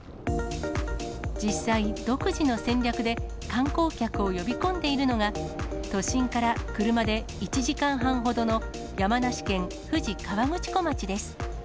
実際、独自の戦略で観光客を呼び込んでいるのが、都心から車で１時間半ほどの山梨県富士河口湖町です。